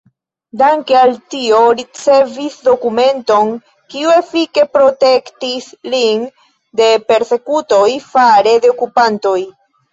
Danke al tio ricevis dokumenton, kiu efike protektis lin de persekutoj fare de okupantoj.